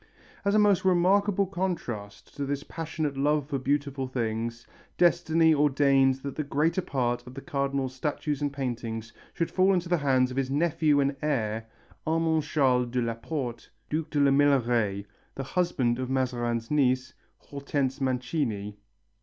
As a most remarkable contrast to this passionate love for beautiful things, Destiny ordained that the greater part of the Cardinal's statues and paintings should fall into the hands of his nephew and heir, Armand Charles de la Porte, Duc de la Meilleraye, the husband of Mazarin's niece, Hortense Mancini.